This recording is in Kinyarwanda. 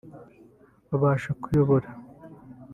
babasha kuyobora